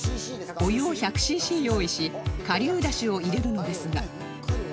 お湯を１００シーシー用意し顆粒出汁を入れるのですが